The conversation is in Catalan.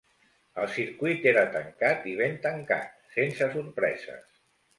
El circuit era tancat i ben tancat, sense sorpreses.